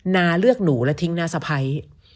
นาเลือกหนูและทิ้งน้าสะพ้าย